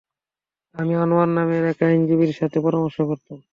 আমি আনোয়ার নামের এক আইনজীবীর সাথে পরামর্শ করতাম।